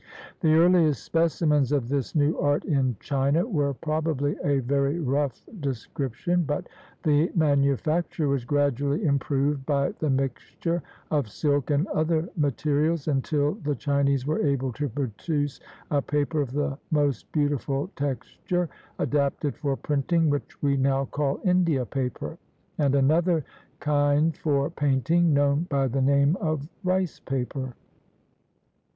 The earliest specimens of this new art in China were probably of a very rough description, but the manufacture was gradually improved by the mixture of silk and other materials, until the Chinese were able to produce a paper of the most beautiful texture, adapted for printing, which we now call India paper, and another kind for painting, known by the name of rice paper.